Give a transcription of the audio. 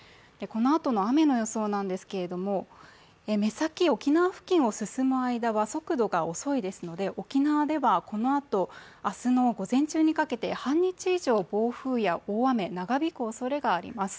このあとの雨の予想なんですけれども、目先、沖縄付近を進む間は速度が遅いですので、沖縄ではこのあと、明日の午前中にかけて半日以上、暴風や大雨、長引くおそれがあります。